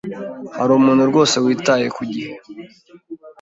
Hari umuntu rwose witaye ku gihe?